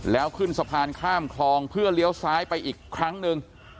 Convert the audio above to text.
แล้วขึ้นสะพานข้ามคลองเพื่อเลี้ยวซ้ายไปอีกครั้งหนึ่ง